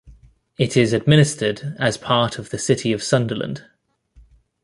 It is administered as part of the City of Sunderland.